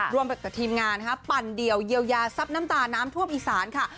ร่วมไปกับทีมงานนะฮะปั่นเดี่ยวเยียวยาซับน้ำตาลน้ำท่วมอีสานค่ะ